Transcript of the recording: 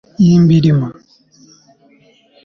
umunsi w'inkota y'i mbilima